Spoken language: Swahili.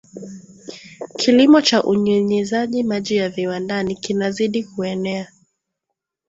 Kilimo cha unyunyizaji maji ya viwandani kinazidi kuenea